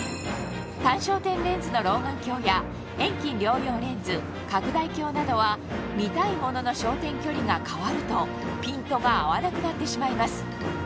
単焦点レンズの老眼鏡や遠近両用レンズ拡大鏡などは見たいものの焦点距離が変わるとピントが合わなくなってしまいます